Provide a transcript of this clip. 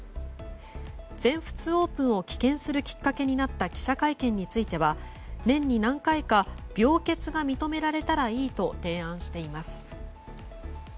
全仏オープンを棄権するきっかけになった記者会見については年に何回か病欠が認められたらいいと提案しています。